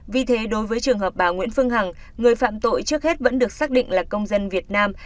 vì thế đối với trường hợp bà nguyễn phương hằng người phạm tội trước hết vẫn được xác định là công dân việt nam